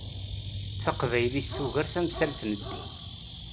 Taqbaylit tugar tamsalt n ddin.